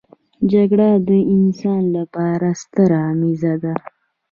جګړه د انسان لپاره ستره غميزه ده